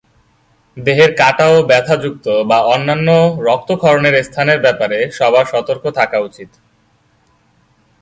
দেহের কাটা ও ব্যথা-যুক্ত বা অন্যান্য রক্তক্ষরণের স্থানের ব্যাপারে সবার সতর্ক থাকা উচিত।